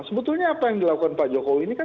sebetulnya apa yang dilakukan pak jokowi ini kan